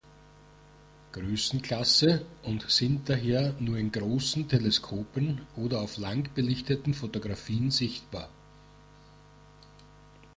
Größenklasse und sind daher nur in großen Teleskopen oder auf lang belichteten Fotografien sichtbar.